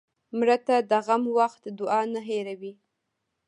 مړه ته د غم وخت دعا نه هېروې